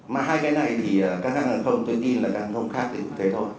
mà hai cái này thì các hàng thông tôi tin là các hàng thông khác thì cũng thế thôi